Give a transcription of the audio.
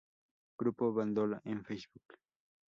Grupo Bandola en Facebook.